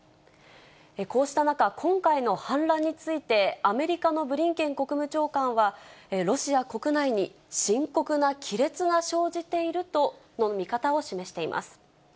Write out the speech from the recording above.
こうした中、今回の反乱について、アメリカのブリンケン国務長官は、ロシア国内に深刻な亀裂が生じているとの見方を示しています。